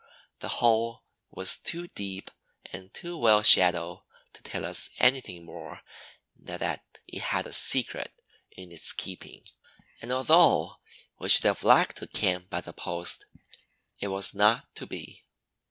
The hole was too deep and too well shadowed to tell us anything more than that it had a secret in its keeping and although we should have liked to camp by the post it was not to be.